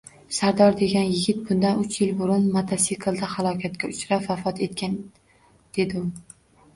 Sardor degan yigit bundan uch yil burun motosiklda halokatga uchrab vafot etgan, dedi u